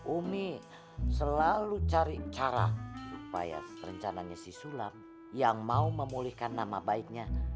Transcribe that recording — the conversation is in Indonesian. umi selalu cari cara supaya rencananya si sulam yang mau memulihkan nama baiknya